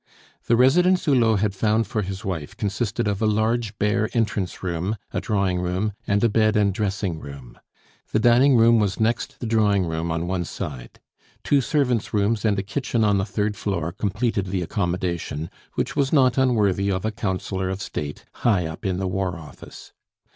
The residence Hulot had found for his wife consisted of a large, bare entrance room, a drawing room, and a bed and dressing room. The dining room was next the drawing room on one side. Two servants' rooms and a kitchen on the third floor completed the accommodation, which was not unworthy of a Councillor of State, high up in the War Office.